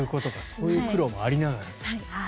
そういう苦労もありながらと。